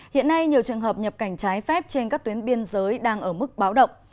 hiện nay nhiều trường hợp nhập cảnh trái phép trên các tuyến biên giới đang ở mức báo động